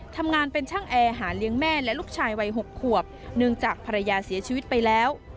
ทำงานเป็นช่างแอร์หาเลี้ยงแม่และลูกชายวัย๖ขวบเนื่องจากภรรยาเสียชีวิตไปแล้ว